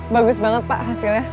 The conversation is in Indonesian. bagus banget pak hasilnya